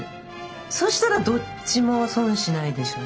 そしたらどっちも損しないでしょ。